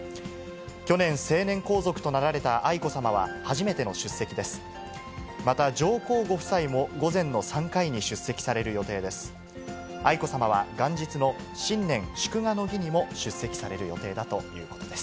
去年、成年皇族となられた愛子さまは初めての出席です。